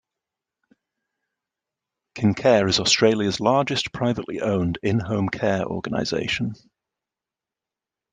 Kincare is Australia's largest, privately owned, in-home care organisation.